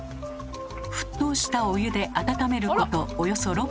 沸騰したお湯で温めることおよそ６分。